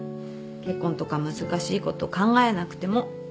結婚とか難しいこと考えなくても。